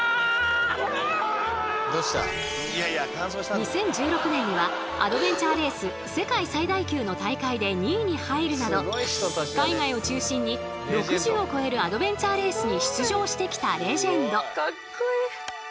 ２０１６年にはアドベンチャーレース世界最大級の大会で２位に入るなど海外を中心に６０を超えるアドベンチャーレースに出場してきたレジェンド。